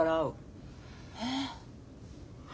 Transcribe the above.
えっ。